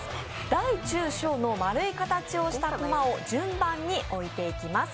大中小の丸い形をしたコマを順番に置いていきます。